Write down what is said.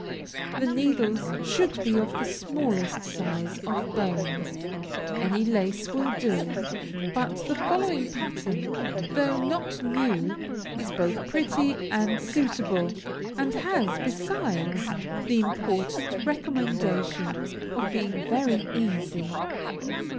The needles should be of the smallest size, of bone. Any lace will do; but the following pattern, though not new, is both pretty and suitable; and has, besides, the important recomendation of being very easy.